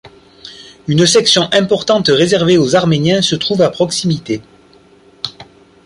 Une section importante réservée aux Arméniens se trouve à proximité.